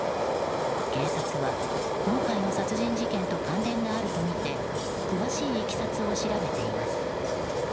警察は、今回の殺人事件と関連があるとみて詳しいいきさつを調べています。